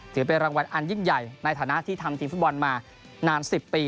ถือเป็นรางวัลอันยิ่งใหญ่ในฐานะที่ทำทีมฟุตบอลมานาน๑๐ปี